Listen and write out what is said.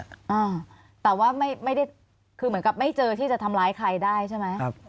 อ่าแต่ว่าไม่ไม่ได้คือเหมือนกับไม่เจอที่จะทำร้ายใครได้ใช่ไหมครับ